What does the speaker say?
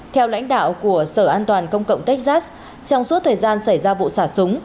theo lãnh đạo của sở an toàn công cộng texas trong suốt thời gian xảy ra vụ xả súng